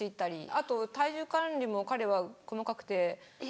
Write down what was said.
あと体重管理も彼は細かくて。